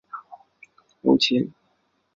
欧萱也是获奖最多次的得主。